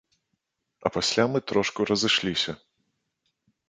А пасля мы трошку разышліся.